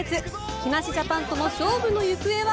木梨ジャパンとの勝負の行方は？